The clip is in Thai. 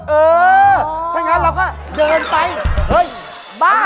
เออถ้างั้นเราก็เดินไปเฮ้ยบ้า